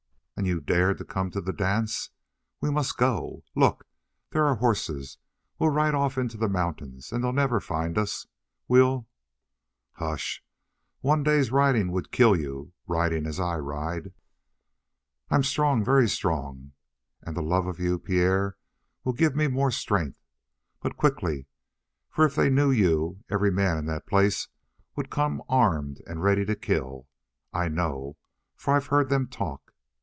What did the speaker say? "And you dared to come to the dance? We must go. Look, there are horses! We'll ride off into the mountains, and they'll never find us we'll " "Hush! One day's riding would kill you riding as I ride." "I'm strong very strong, and the love of you, Pierre, will give me more strength. But quickly, for if they knew you, every man in that place would come armed and ready to kill. I know, for I've heard them talk.